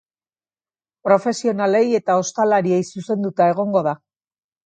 Profesionalei eta ostalariei zuzenduta egongo da.